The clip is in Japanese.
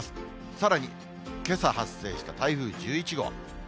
さらにけさ発生した台風１１号。